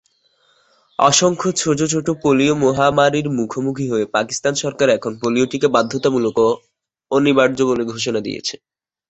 অসংখ্য ছোট ছোট পোলিও মহামারীর মুখোমুখি হয়ে পাকিস্তান সরকার এখন পোলিও টিকা বাধ্যতামূলক ও অনিবার্য বলে ঘোষণা দিয়েছে।